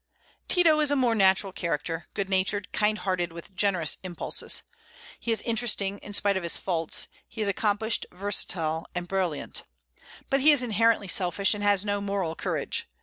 Tito is a more natural character, good natured, kind hearted, with generous impulses. He is interesting in spite of his faults; he is accomplished, versatile, and brilliant. But he is inherently selfish, and has no moral courage.